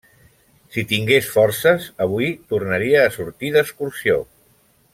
Si tingués forces, avui tornaria a sortir d'excursió.